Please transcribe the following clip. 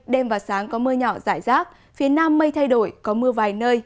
đêm và sáng có mưa nhỏ rải rác phía nam mây thay đổi có mưa vài nơi